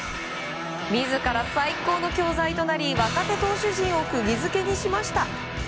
自ら最高の教材となり若手投手陣を釘付けにしました。